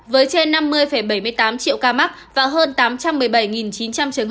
với trên năm mươi bảy mươi tám triệu ca mắc và hơn tám trăm một mươi ba triệu ca mắc